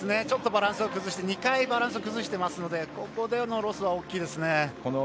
ちょっとバランスを崩して２回バランスを崩してますのでここでのロスは大きいです。